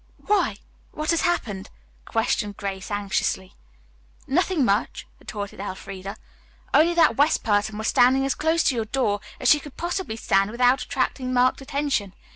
"Why? What has happened?" questioned Grace anxiously. "Nothing much," retorted Elfreda, "only that West person was standing as close to your door as she could possibly stand without attracting marked attention.